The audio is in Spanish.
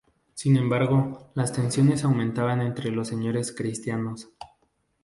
Sin embargo, las tensiones aumentaban entre los señores cristianos.